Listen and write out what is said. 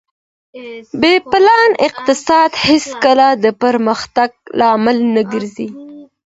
بې پلانه اقتصاد هېڅکله د پرمختګ لامل نه ګرځي.